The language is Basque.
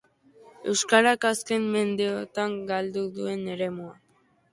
Euskarak azken mendeotan galdu duen eremua.